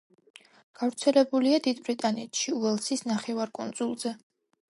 გავრცელებულია დიდ ბრიტანეთში, უელსის ნახევარკუნძულზე.